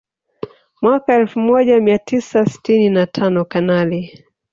Mwaka elfu moja mia tisa sitini na tano Kanali